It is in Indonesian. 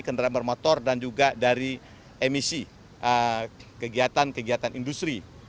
kendaraan bermotor dan juga dari emisi kegiatan kegiatan industri